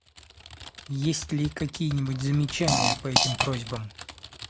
Есть ли какие-нибудь замечания по этим просьбам?